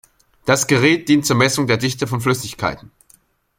Das Gerät dient zur Messung der Dichte von Flüssigkeiten.